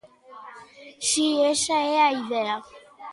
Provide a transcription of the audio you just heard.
Si, esa é a idea.